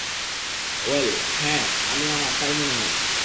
Well, হ্যাঁ, আমি - আমার তাই মনে হয়।